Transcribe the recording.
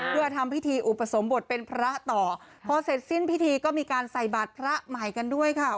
เพื่อทำพิธีอุปสมบทเป็นพระต่อพอเสร็จสิ้นพิธีก็มีการใส่บาทพระใหม่กันด้วยค่ะ